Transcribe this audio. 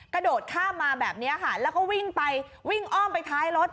กระโดดข้ามมาแบบนี้ค่ะแล้วก็วิ่งไปวิ่งอ้อมไปท้ายรถ